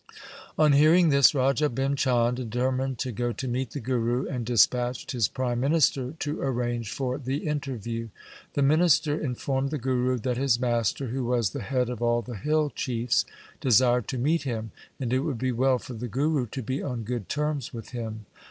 On hearing this Raja Bhim Chand determined to go to meet the Guru, and dispatched his prime minister to arrange for the interview. The minister informed the Guru that his master, who was the head of all the hill chiefs, desired to meet him, and it would be well for the Guru to be on good terms with him.